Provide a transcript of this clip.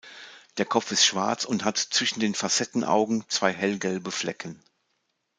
Der Kopf ist schwarz und hat zwischen den Facettenaugen zwei hellgelbe Flecken.